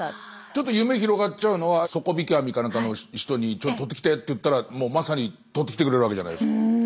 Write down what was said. ちょっと夢広がっちゃうのは底引き網かなんかの人にとってきてって言ったらまさにとってきてくれるわけじゃないですか。